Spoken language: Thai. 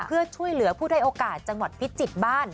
เพื่อช่วยเหลือผู้ได้โอกาสจังหวัดพิจิตรบ้าน